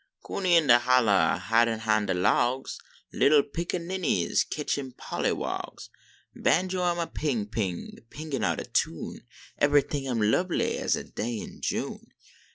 FR Coonie in de holler hidin liin de logs, Little picaninies ketchin pollywogs, Banjo am a ping ping pingin out a tune, Ebery ting am Inbly as a day in June.